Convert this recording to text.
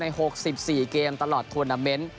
๖๔เกมตลอดทวนาเมนต์